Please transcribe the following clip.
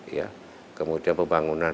ya kemudian pembangunan